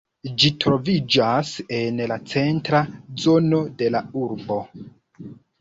Ĝi troviĝas en la centra zono de la urbo.